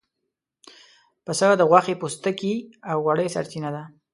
پسه د غوښې، پوستکي او وړۍ سرچینه ده.